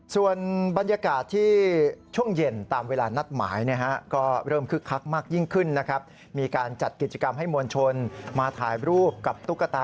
ส่วนบรรยากาศที่ช่วงเย็นตามเวลานัดหมายก็เริ่มคึกคักมากยิ่งขึ้นนะครับ